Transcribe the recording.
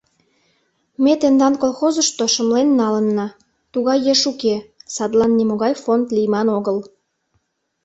— Ме тендан колхозышто шымлен налынна: тугай еш уке, садлан нимогай фонд лийман огыл.